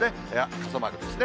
傘マークですね。